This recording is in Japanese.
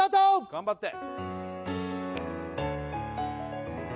頑張って！